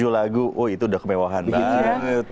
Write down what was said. tujuh lagu oh itu udah kemewahan banget